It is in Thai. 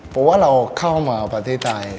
ผมว่าเราเข้ามาประเทศไทย